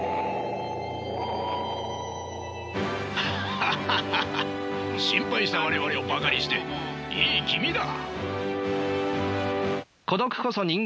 ハハハハ心配した我々をバカにしていい気味だ。